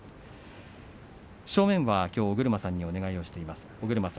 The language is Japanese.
正面は尾車さんにお願いしています。